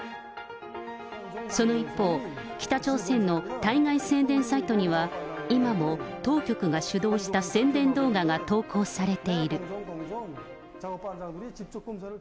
その一方、北朝鮮の対外宣伝サイトには、今も当局が主導した宣伝動画が投稿されている。